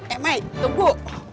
eh mai tunggu